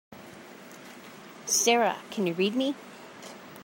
Sara can you read me?